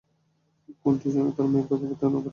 কুট্টি যেনো তার মায়ের কথা ভাবতে না পারে।